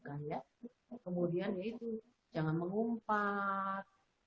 kemudian jangan mengumpat